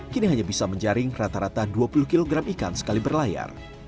kini hanya bisa menjaring rata rata dua puluh kg ikan sekali berlayar